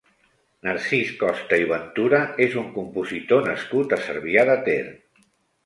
Narcís Costa i Ventura és un compositor nascut a Cervià de Ter.